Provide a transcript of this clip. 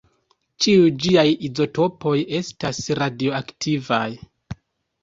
Ĉiuj ĝiaj izotopoj estas radioaktivaj.